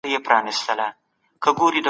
هېواد په جګړو کي غرق او ويجاړ سو.